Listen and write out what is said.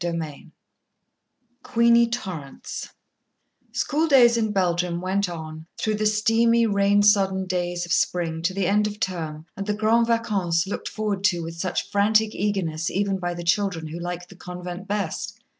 III Queenie Torrance School days in Belgium went on, through the steamy, rain sodden days of spring to the end of term and the grandes vacances looked forward to with such frantic eagerness even by the children who liked the convent best.